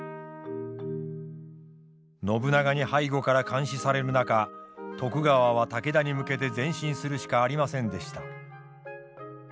信長に背後から監視される中徳川は武田に向けて前進するしかありませんでした。